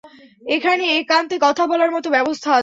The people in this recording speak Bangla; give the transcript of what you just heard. এখানে একান্তে কথা বলার মতো ব্যবস্থা আছে?